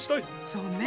そうねぇ。